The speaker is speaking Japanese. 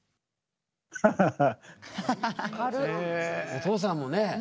お父さんもね